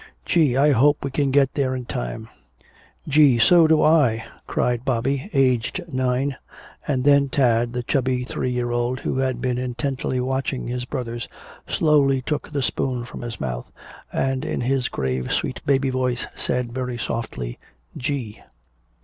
Gee, I hope we can get there in time " "Gee! So do I!" cried Bobby aged nine. And then Tad, the chubby three year old who had been intently watching his brothers, slowly took the spoon from his mouth and in his grave sweet baby voice said very softly, "Gee."